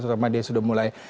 terutama dia sudah mulai